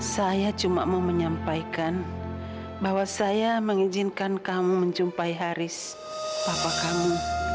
saya cuma mau menyampaikan bahwa saya mengizinkan kamu menjumpai haris papa kamu